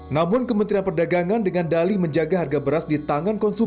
namun kementerian perdagangan dengan dali menjaga harga beras di tangan konsumen